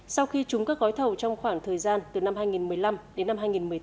sau khi trúng các gói thầu trong khoảng thời gian từ năm hai nghìn một mươi năm đến năm hai nghìn một mươi tám